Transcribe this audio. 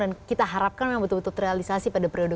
dan kita harapkan yang betul betul terrealisasi